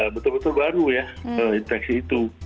betul betul baru ya infeksi itu